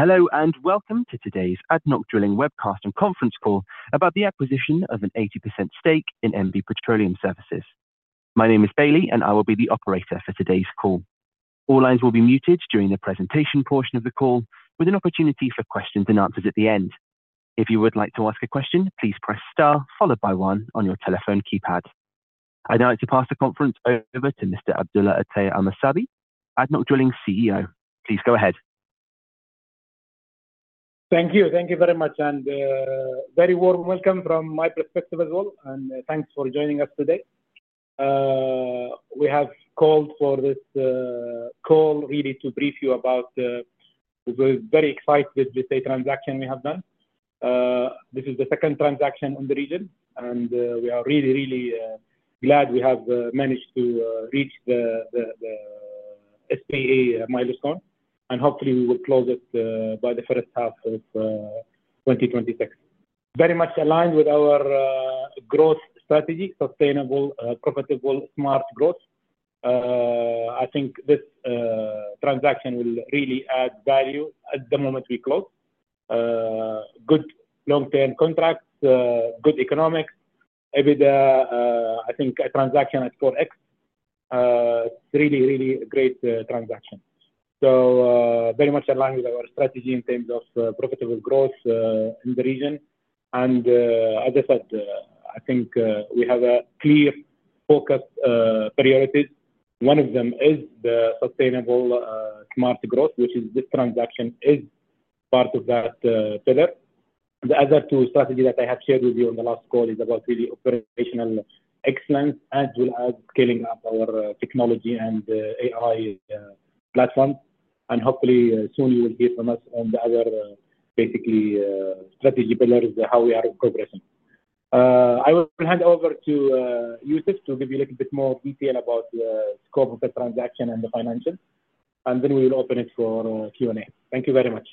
Hello and welcome to today's ADNOC Drilling webcast and conference call about the acquisition of an 80% stake in MV Petroleum Services. My name is Bailey, and I will be the operator for today's call. All lines will be muted during the presentation portion of the call, with an opportunity for questions and answers at the end. If you would like to ask a question, please press star followed by one on your telephone keypad. I'd like to pass the conference over to Mr. Abdulla Ateya Al Messabi, ADNOC Drilling CEO. Please go ahead. Thank you. Thank you very much, and a very warm welcome from my perspective as well, and thanks for joining us today. We have called for this call really to brief you about this very exciting transaction we have done. This is the second transaction in the region, and we are really, really glad we have managed to reach the SPA milestone, and hopefully we will close it by the first half of 2026. Very much aligned with our growth strategy: sustainable, profitable, smart growth. I think this transaction will really add value at the moment we close. Good long-term contracts, good economics. I think a transaction at 4X. It's really, really a great transaction. Very much aligned with our strategy in terms of profitable growth in the region. As I said, I think we have clear focus priorities. One of them is the sustainable, smart growth, which is this transaction is part of that pillar. The other two strategies that I have shared with you on the last call is about really operational excellence, as well as scaling up our technology and AI Platform. Hopefully soon you will hear from us on the other basically strategy pillars, how we are progressing. I will hand over to Youssef to give you a little bit more detail about the scope of the transaction and the financials, and then we will open it for Q&A. Thank you very much.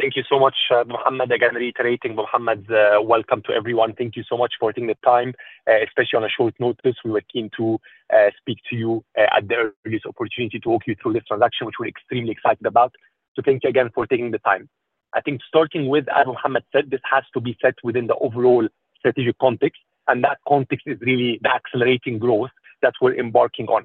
Thank you so much, Mohammed. Again, reiterating Mohammed's welcome to everyone. Thank you so much for taking the time, especially on a short notice. We were keen to speak to you at the earliest opportunity to walk you through this transaction, which we're extremely excited about. Thank you again for taking the time. I think starting with, as Mohammed said, this has to be set within the overall strategic context, and that context is really the accelerating growth that we're embarking on.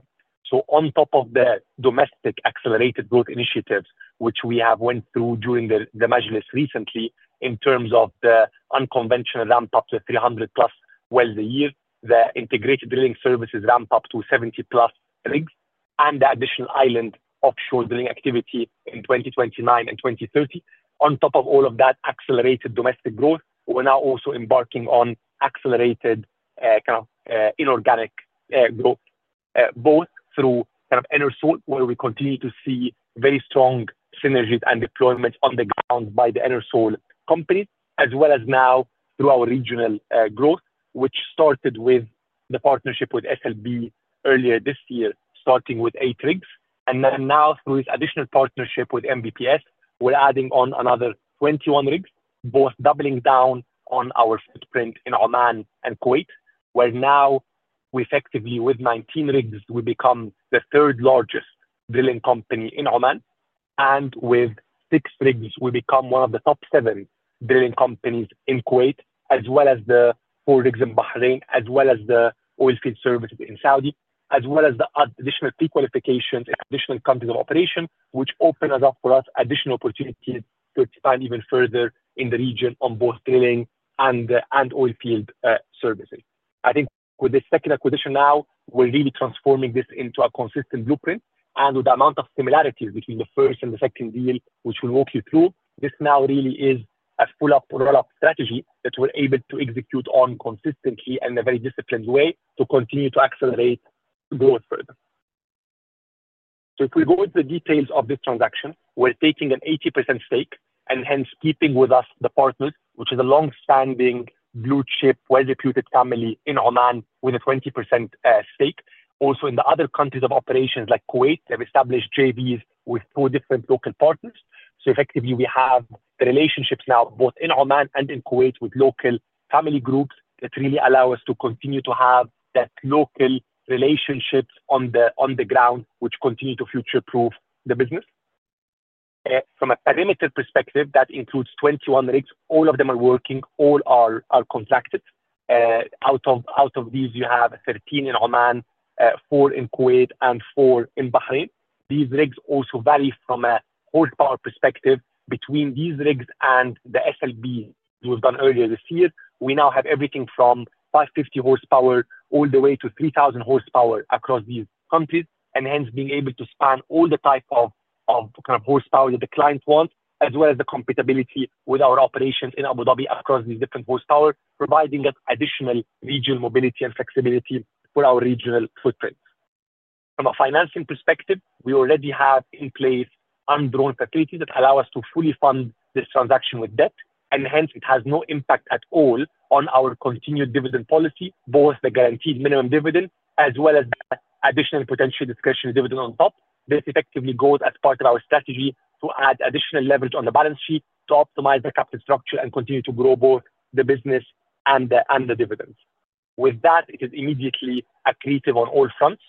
On top of the domestic accelerated growth initiatives, which we have went through during the majlis recently in terms of the unconventional ramp-up to 300 plus wells a year, the integrated drilling services ramp-up to 70 plus rigs, and the additional island offshore drilling activity in 2029 and 2030. On top of all of that accelerated domestic growth, we're now also embarking on accelerated kind of inorganic growth, both through kind of EnerSol, where we continue to see very strong synergies and deployments on the ground by the EnerSol company, as well as now through our regional growth, which started with the partnership with SLB earlier this year, starting with eight rigs. Now through this additional partnership with MVPS, we're adding on another 21 rigs, both doubling down on our footprint in Oman and Kuwait, where now we effectively, with 19 rigs, we become the third largest drilling company in Oman. With six rigs, we become one of the top seven drilling companies in Kuwait, as well as the four rigs in Bahrain, as well as the oil field services in Saudi, as well as the additional pre-qualifications in additional countries of operation, which opened up for us additional opportunities to expand even further in the region on both drilling and oil field services. I think with this second acquisition now, we're really transforming this into a consistent blueprint. With the amount of similarities between the first and the second deal, which we'll walk you through, this now really is a pull-up, roll-up strategy that we're able to execute on consistently and in a very disciplined way to continue to accelerate growth further. If we go into the details of this transaction, we're taking an 80% stake and hence keeping with us the partners, which is a long-standing blue chip, well-reputed family in Oman with a 20% stake. Also, in the other countries of operations like Kuwait, they've established JVs with four different local partners. Effectively, we have the relationships now both in Oman and in Kuwait with local family groups that really allow us to continue to have that local relationship on the ground, which continue to future-proof the business. From a perimeter perspective, that includes 21 rigs. All of them are working. All are contracted. Out of these, you have 13 in Oman, 4 in Kuwait, and 4 in Bahrain. These rigs also vary from a horsepower perspective. Between these rigs and the SLBs we have done earlier this year, we now have everything from 550 horsepower all the way to 3,000 horsepower across these countries, and hence being able to span all the type of kind of horsepower that the client wants, as well as the compatibility with our operations in Abu Dhabi across these different horsepower, providing additional regional mobility and flexibility for our regional footprint. From a financing perspective, we already have in place undrawn facilities that allow us to fully fund this transaction with debt, and hence it has no impact at all on our continued dividend policy, both the guaranteed minimum dividend as well as the additional potential discretionary dividend on top. This effectively goes as part of our strategy to add additional leverage on the balance sheet to optimize the capital structure and continue to grow both the business and the dividends. With that, it is immediately accretive on all fronts.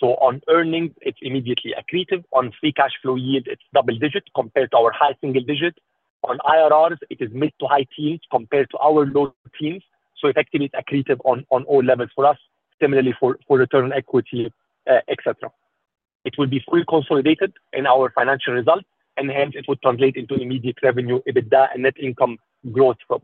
On earnings, it's immediately accretive. On free cash flow yield, it's double-digit compared to our high single digit. On IRRs, it is mid to high teens compared to our low teens. Effectively, it's accretive on all levels for us, similarly for return on equity, etc. It will be fully consolidated in our financial results, and hence it would translate into immediate revenue net income growth for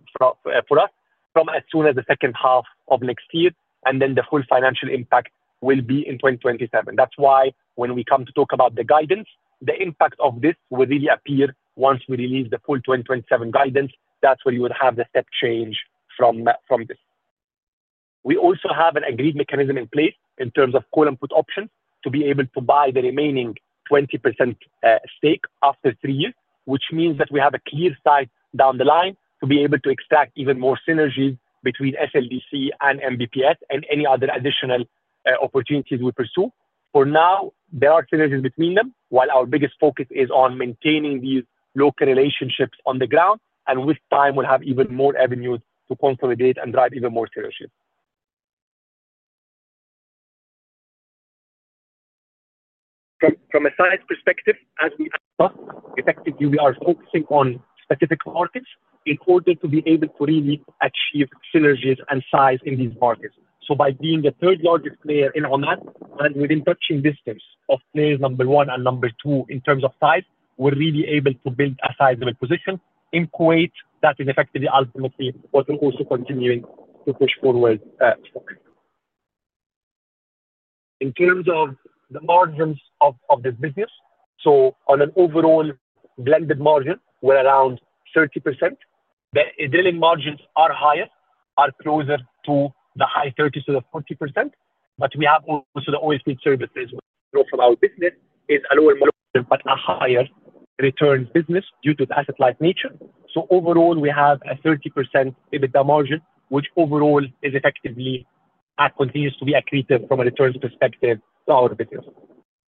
us from as soon as the second half of next year, and then the full financial impact will be in 2027. That is why when we come to talk about the guidance, the impact of this will really appear once we release the full 2027 guidance. That is where you would have the step change from this. We also have an agreed mechanism in place in terms of call and put options to be able to buy the remaining 20% stake after three years, which means that we have a clear sight down the line to be able to extract even more synergies between SLB and MVPS and any other additional opportunities we pursue. For now, there are synergies between them, while our biggest focus is on maintaining these local relationships on the ground, and with time, we'll have even more avenues to consolidate and drive even more synergies. From a size perspective, as we effectively, we are focusing on specific markets in order to be able to really achieve synergies and size in these markets. By being the third largest player in Oman and within touching distance of players number one and number two in terms of size, we're really able to build a sizable position in Kuwait. That is effectively ultimately what we're also continuing to push forward for. In terms of the margins of this business, on an overall blended margin, we're around 30%. The drilling margins are higher, are closer to the high 30s to 40%, but we have also the oilfield services. From our business, it is a lower margin, but a higher return business due to the asset-light nature. Overall, we have a 30% EBITDA margin, which overall is effectively, continues to be accretive from a return perspective to our business.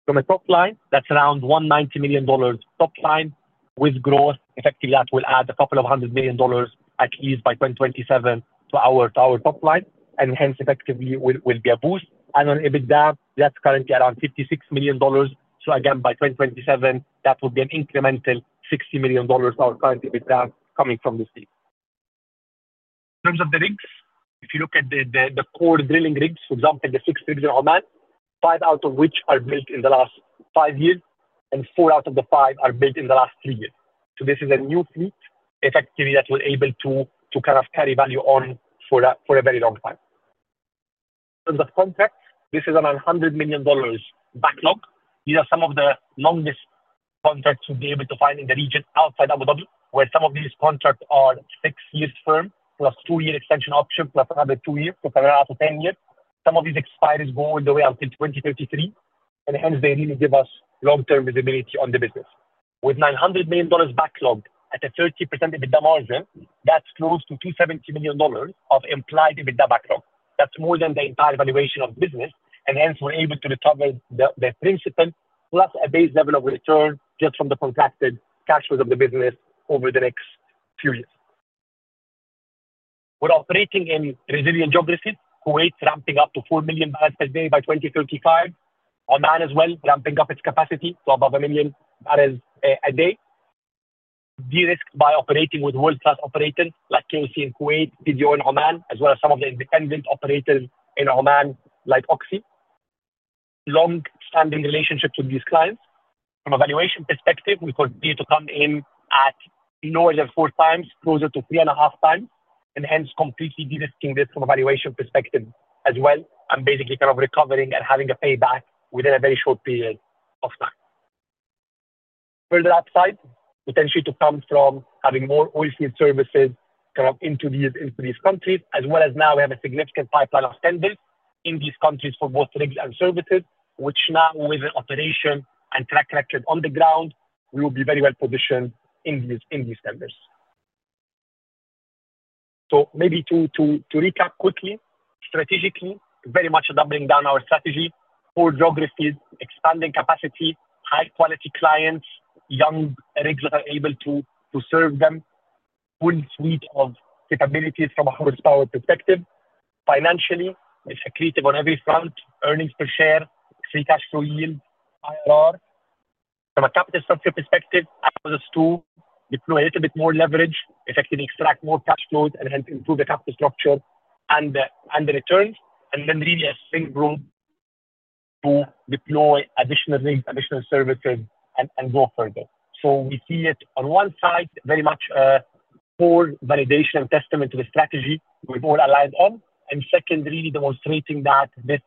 From a top line, that's around $190 million top line with growth. Effectively, that will add a couple of hundred million dollars at least by 2027 to our top line, and hence effectively will be a boost. On EBITDA, that's currently around $56 million. By 2027, that would be an incremental $60 million of our current EBITDA coming from this deal. In terms of the rigs, if you look at the core drilling rigs, for example, the six rigs in Oman, five out of which are built in the last five years, and four out of the five are built in the last three years. This is a new fleet effectively that we're able to kind of carry value on for a very long time. In terms of contracts, this is around $100 million backlog. These are some of the longest contracts we've been able to find in the region outside Abu Dhabi, where some of these contracts are six years firm, plus two-year extension option, plus another two years to ten years. Some of these expires go all the way until 2033, and hence they really give us long-term visibility on the business. With $900 million backlog at a 30% EBITDA margin, that's close to $270 million of implied EBITDA backlog. That's more than the entire valuation of the business, and hence we're able to recover the principal, plus a base level of return just from the contracted cash flows of the business over the next few years. We're operating in resilient geographies. Kuwait's ramping up to 4 million barrels per day by 2035. Oman as well, ramping up its capacity to above a million barrels a day. We risk by operating with world-class operators like KOC in Kuwait, PDO in Oman, as well as some of the independent operators in Oman like OXY. Long-standing relationships with these clients. From a valuation perspective, we continue to come in at lower than four times, closer to three and a half times, and hence completely de-risking this from a valuation perspective as well, and basically kind of recovering and having a payback within a very short period of time. Further upside, potentially to come from having more oilfield services kind of into these countries, as well as now we have a significant pipeline of tenders in these countries for both rigs and services, which now with an operation and track record on the ground, we will be very well positioned in these tenders. Maybe to recap quickly, strategically, very much doubling down our strategy, four geographies, expanding capacity, high-quality clients, young rigs that are able to serve them, full suite of capabilities from a horsepower perspective. Financially, it's accretive on every front, earnings per share, free cash flow yield, IRR. From a capital structure perspective, as us too, deploy a little bit more leverage, effectively extract more cash flows and hence improve the capital structure and the returns, and then really a strength growth. To deploy additional rigs, additional services, and go further. We see it on one side, very much. Core validation and testament to the strategy we've all aligned on, and secondly, demonstrating that this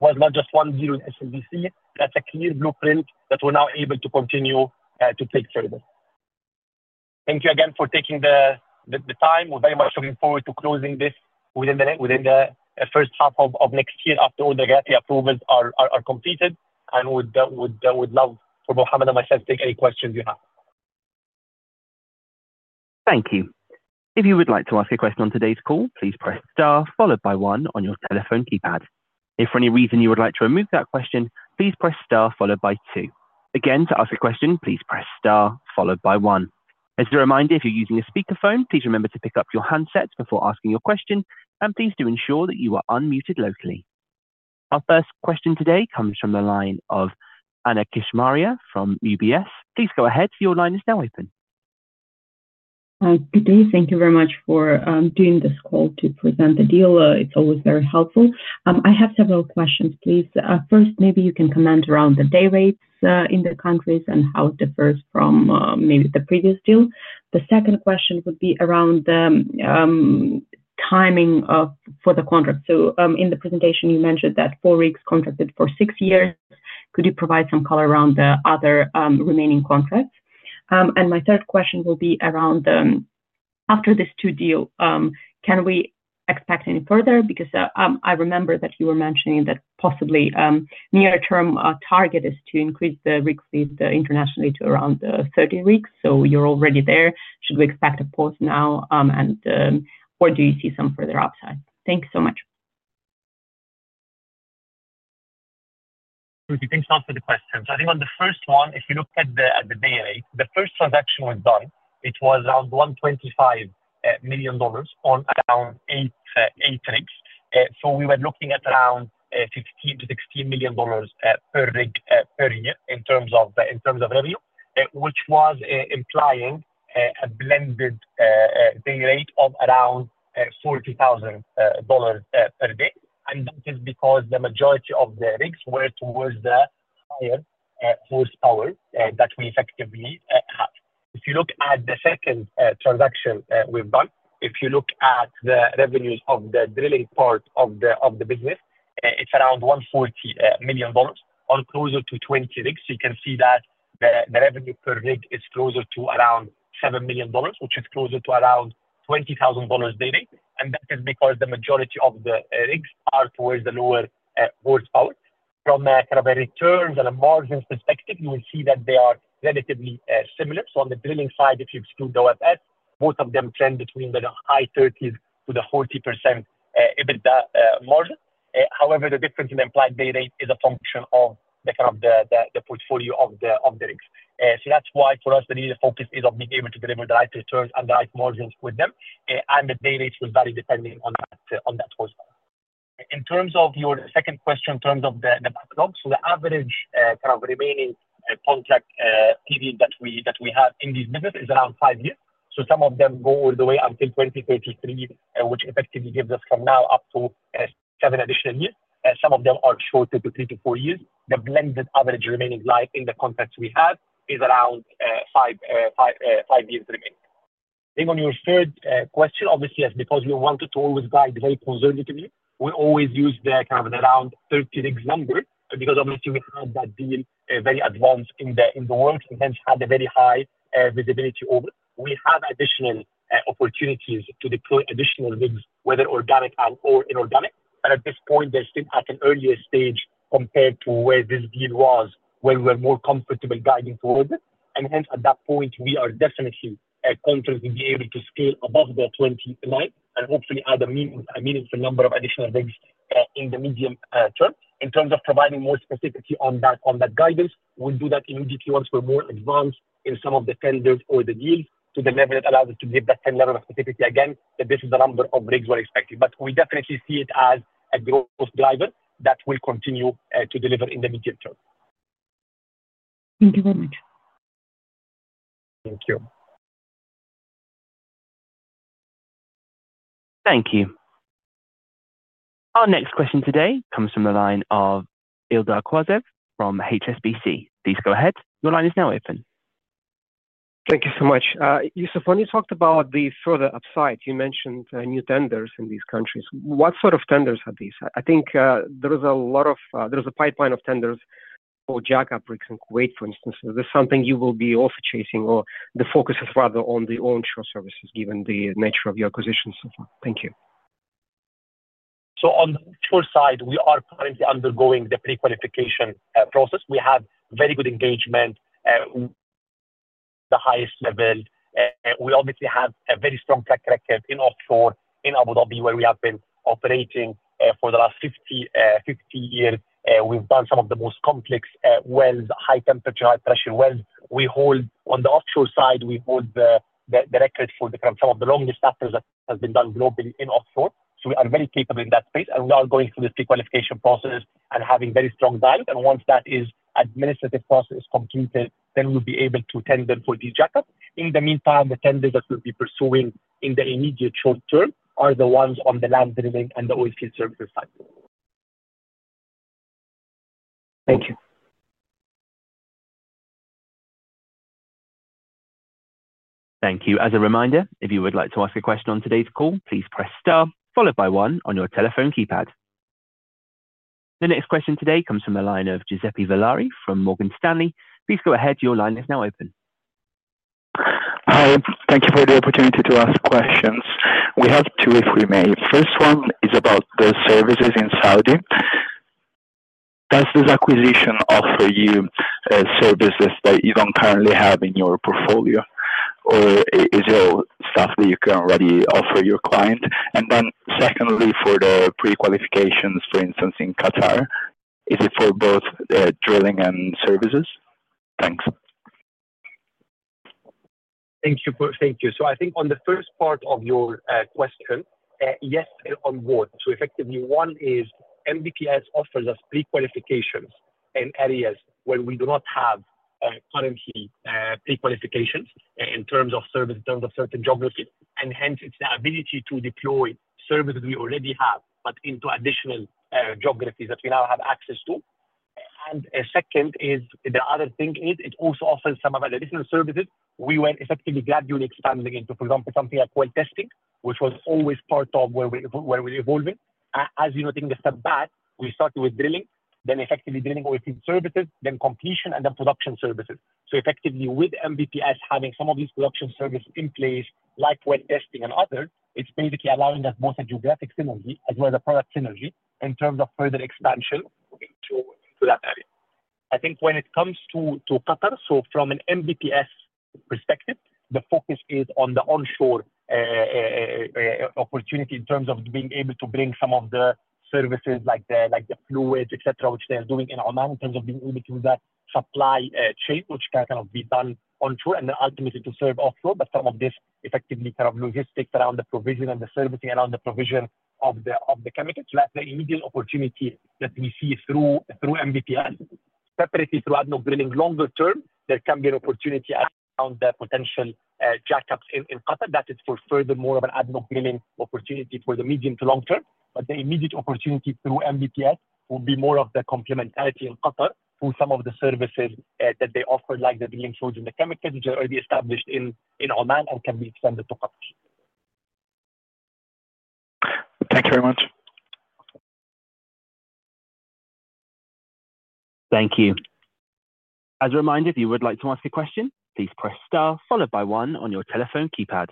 was not just one deal with SLB. That's a clear blueprint that we're now able to continue to take further. Thank you again for taking the time. We're very much looking forward to closing this within the first half of next year after all the GATTE approvals are completed, and we'd love for Mohammed and myself to take any questions you have. Thank you. If you would like to ask a question on today's call, please press star followed by one on your telephone keypad. If for any reason you would like to remove that question, please press star followed by two. Again, to ask a question, please press star followed by one. As a reminder, if you're using a speakerphone, please remember to pick up your handsets before asking your question, and please do ensure that you are unmuted locally. Our first question today comes from the line of Anna Kischmaria from UBS. Please go ahead. Your line is now open. Good day. Thank you very much for doing this call to present the deal. It's always very helpful. I have several questions, please. First, maybe you can comment around the day rates in the countries and how it differs from maybe the previous deal. The second question would be around the timing for the contract. So in the presentation, you mentioned that four rigs contracted for six years. Could you provide some color around the other remaining contracts? And my third question will be around after this two deal, can we expect any further? Because I remember that you were mentioning that possibly near-term target is to increase the rigs internationally to around 30 rigs. So you're already there. Should we expect a pause now, or do you see some further upside? Thank you so much. Thanks for the questions. I think on the first one, if you look at the day rate, the first transaction was done. It was around $125 million on around eight rigs. We were looking at around $15 million to $16 million per rig per year in terms of revenue, which was implying a blended day rate of around $40,000 per day. That is because the majority of the rigs were towards the higher horsepower that we effectively have. If you look at the second transaction we have done, if you look at the revenues of the drilling part of the business, it is around $140 million, or closer to 20 rigs. You can see that the revenue per rig is closer to around $7 million, which is closer to around $20,000 daily. That is because the majority of the rigs are towards the lower horsepower. From kind of a returns and a margins perspective, you will see that they are relatively similar. On the drilling side, if you exclude the OFS, both of them trend between the high 30s-40% EBITDA margin. However, the difference in the implied day rate is a function of the kind of the portfolio of the rigs. That is why for us, the real focus is on being able to deliver the right returns and the right margins with them. The day rates will vary depending on that horsepower. In terms of your second question, in terms of the backlog, the average kind of remaining contract period that we have in this business is around five years. Some of them go all the way until 2033, which effectively gives us from now up to seven additional years. Some of them are shorter to three to four years. The blended average remaining life in the contracts we have is around five years remaining. On your third question, obviously, because we wanted to always guide very conservatively, we always use the kind of around 30 rigs number because we had that deal very advanced in the works and hence had a very high visibility over it. We have additional opportunities to deploy additional rigs, whether organic and/or inorganic. At this point, they are still at an earlier stage compared to where this deal was, where we were more comfortable guiding towards it. At that point, we are definitely content to be able to scale above the 20 lines and hopefully add a meaningful number of additional rigs in the medium term. In terms of providing more specificity on that guidance, we'll do that immediately once we're more advanced in some of the tenders or the deals to the level that allows us to give that level of specificity again, that this is the number of rigs we're expecting. We definitely see it as a growth driver that will continue to deliver in the medium term. Thank you very much. Thank you. Thank you. Our next question today comes from the line of Ildiko Kwacz from HSBC. Please go ahead. Your line is now open. Thank you so much. Youssef, when you talked about the further upside, you mentioned new tenders in these countries. What sort of tenders are these? I think there is a pipeline of tenders for jack-up rigs in Kuwait, for instance. Is this something you will be also chasing, or the focus is rather on the onshore services, given the nature of your acquisitions so far? Thank you. On the onshore side, we are currently undergoing the pre-qualification process. We have very good engagement. The highest level. We obviously have a very strong track record in offshore, in Abu Dhabi, where we have been operating for the last 50 years. We've done some of the most complex wells, high-temperature, high-pressure wells. On the offshore side, we hold the record for some of the longest after that has been done globally in offshore. We are very capable in that space, and we are going through the pre-qualification process and having very strong value. Once that administrative process is completed, then we'll be able to tender for these jack-ups. In the meantime, the tenders that we'll be pursuing in the immediate short term are the ones on the land drilling and the oilfield services side. Thank you. Thank you. As a reminder, if you would like to ask a question on today's call, please press star followed by one on your telephone keypad. The next question today comes from the line of Giuseppe Villari from Morgan Stanley. Please go ahead. Your line is now open. Hi. Thank you for the opportunity to ask questions. We have two if we may. The first one is about the services in Saudi. Does this acquisition offer you services that you do not currently have in your portfolio, or is it all stuff that you can already offer your client? Secondly, for the pre-qualifications, for instance, in Qatar, is it for both drilling and services? Thanks. Thank you. I think on the first part of your question, yes, on board. Effectively, one is MVPS offers us pre-qualifications in areas where we do not have currently pre-qualifications in terms of service, in terms of certain geographies. Hence, it is the ability to deploy services we already have, but into additional geographies that we now have access to. The other thing is it also offers some of the additional services we were effectively gradually expanding into, for example, something like well testing, which was always part of where we were evolving. As you know, taking a step back, we started with drilling, then effectively drilling oilfield services, then completion, and then production services. Effectively, with MVPS having some of these production services in place, like well testing and others, it's basically allowing us both a geographic synergy as well as a product synergy in terms of further expansion into that area. I think when it comes to Qatar, from an MVPS perspective, the focus is on the onshore opportunity in terms of being able to bring some of the services like the fluids, etc., which they're doing in Oman in terms of being able to do that supply chain, which can kind of be done onshore and ultimately to serve offshore. Some of this is effectively kind of logistics around the provision and the servicing around the provision of the chemicals. That's the immediate opportunity that we see through MVPS. Separately, through admirably longer term, there can be an opportunity around the potential jack-ups in Qatar. That is furthermore an admirable opportunity for the medium to long term. The immediate opportunity through MVPS will be more of the complementarity in Qatar for some of the services that they offer, like the drilling fluids and the chemicals, which are already established in Oman and can be extended to Qatar. Thank you very much. Thank you. As a reminder, if you would like to ask a question, please press star followed by one on your telephone keypad.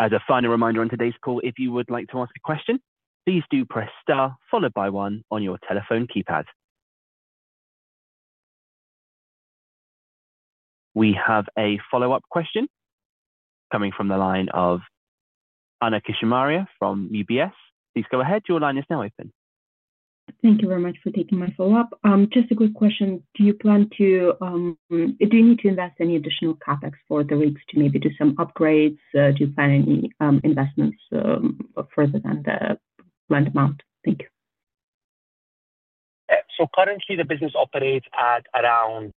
As a final reminder on today's call, if you would like to ask a question, please do press star followed by one on your telephone keypad. We have a follow-up question coming from the line of Anna Kishmariya from UBS. Please go ahead. Your line is now open. Thank you very much for taking my follow-up. Just a quick question. Do you plan to, do you need to invest any additional CapEx for the rigs to maybe do some upgrades? Do you plan any investments further than the planned amount? Thank you. Currently, the business operates at around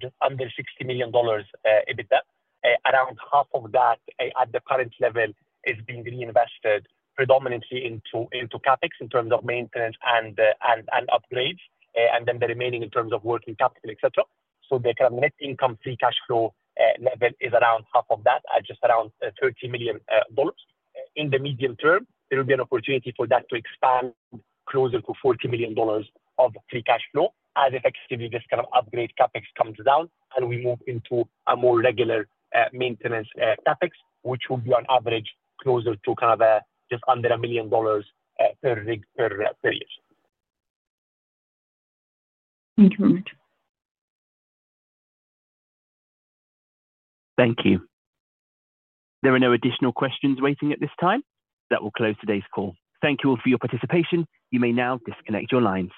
just under $60 million EBITDA. Around half of that at the current level is being reinvested predominantly into CapEx in terms of maintenance and upgrades, and then the remaining in terms of working capital, etc. The net income free cash flow level is around half of that, just around $30 million. In the medium term, there will be an opportunity for that to expand closer to $40 million of free cash flow as effectively this kind of upgrade CapEx comes down and we move into a more regular maintenance CapEx, which will be on average closer to just under $1 million per rig per year. Thank you very much. Thank you. There are no additional questions waiting at this time. That will close today's call. Thank you all for your participation. You may now disconnect your lines.